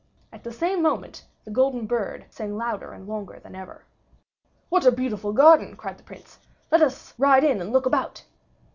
At the same moment the golden bird sang louder and longer than ever. "What a beautiful garden!" cried the Prince. "Let us ride in and look about."